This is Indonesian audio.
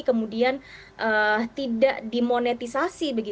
kemudian tidak dimonetisasi